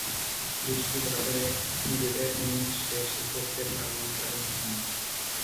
বৃষ্টিবাধায় নিজেদের ইনিংস শেষই করতে পারেনি রাজস্থান।